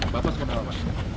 bapak suka apa